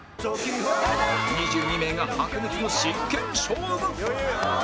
２２名が白熱の真剣勝負！